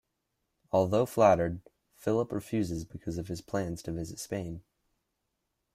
Although flattered, Philip refuses because of his plans to visit Spain.